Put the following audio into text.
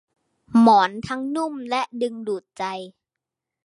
หมอนทั้งนุ่มและดึงดูดใจ